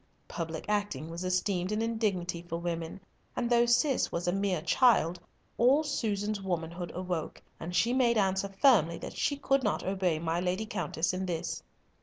Public acting was esteemed an indignity for women, and, though Cis was a mere child, all Susan's womanhood awoke, and she made answer firmly that she could not obey my lady Countess in this.